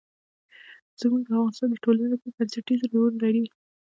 زمرد د افغانستان د ټولنې لپاره بنسټيز رول لري.